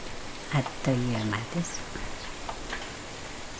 あっという間です。